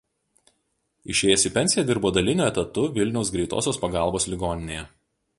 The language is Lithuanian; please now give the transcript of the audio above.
Išėjęs į pensiją dirbo daliniu etatu Vilniaus Greitosios Pagalbos ligoninėje.